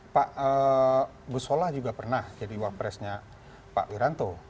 pak busola juga pernah jadi wapresnya pak wiranto